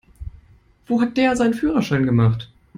Wo hat der seinen Führerschein gemacht?